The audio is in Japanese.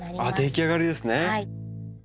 出来上がりですね。